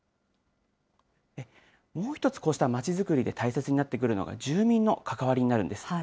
もう１つ、こうしたまちづくりで大切になってくるのが、住民の関わりになるんです。